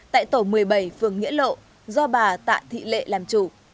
tại tổ một mươi bảy phường nghĩa lộ do bà tạ thị lệ làm chủ